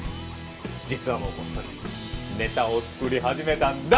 実はもうこっそりネタを作り始めたんだ！